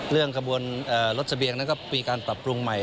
เรื่องรถสะเบียงก็มีการปรับปรุงใหม่